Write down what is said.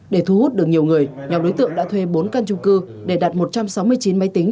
để thu hút được nhiều người nhóm đối tượng đã thuê bốn căn chung cư để đạt một trăm sáu mươi chín máy tính